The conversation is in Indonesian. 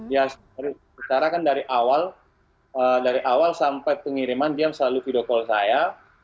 ya secara kan dari awal dari awal sampai pengiriman dia selalu video call saya